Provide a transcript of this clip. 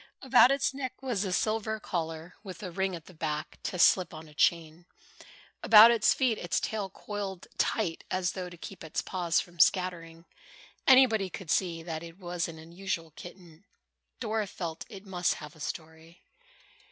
About its neck was a silver collar with a ring at the back to slip on a chain. About its feet its tail coiled tight as though to keep its paws from scattering. Anybody could see that it was an unusual kitten. Dora felt sure it must have a story.